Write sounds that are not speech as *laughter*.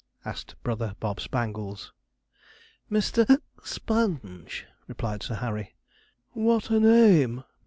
asked brother Bob Spangles. 'Mr. *hiccups* Sponge,' replied Sir Harry. 'What a name!'